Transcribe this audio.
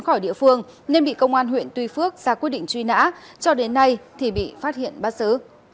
khỏi địa phương nên bị công an huyện tuy phước ra quyết định truy nã cho đến nay thì bị phát hiện bắt xử